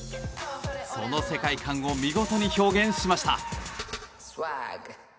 その世界観を見事に表現しました。